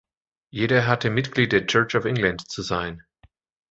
Jeder hatte Mitglied der Church of England zu sein.